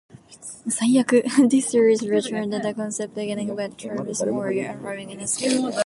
This series restarted the concept, beginning with Travis Morgan arriving in Skartaris.